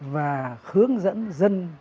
và hướng dẫn dân